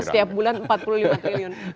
setiap bulan empat puluh lima triliun